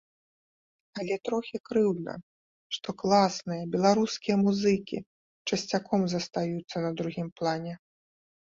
Але трохі крыўдна, што класныя беларускія музыкі часцяком застаюцца на другім плане.